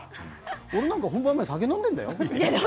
俺なんか本番酒飲んでるんだよ。